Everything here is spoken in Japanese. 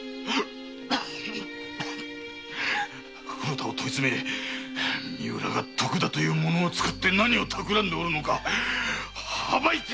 古田を問いつめ三浦が徳田という者を使って何をたくらんでおるのか暴いてやる！